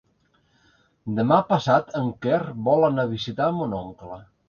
Demà passat en Quer vol anar a visitar mon oncle.